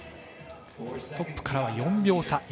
トップからは４秒差。